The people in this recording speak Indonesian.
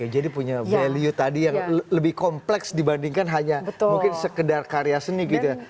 jadi punya value yang lebih kompleks dibandingkan hanya sekedar karya seni